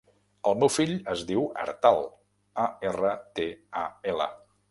El meu fill es diu Artal: a, erra, te, a, ela.